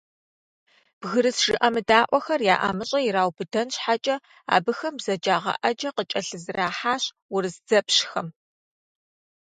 «Бгырыс жыӀэмыдаӀуэхэр» я ӀэмыщӀэ ираубыдэн щхьэкӀэ, абыхэм бзаджагъэ Ӏэджэ къыкӀэлъызэрахьащ урыс дзэпщхэм.